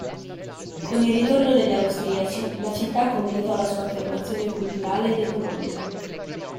Con il ritorno degli austriaci, la città completò la sua affermazione culturale ed economica.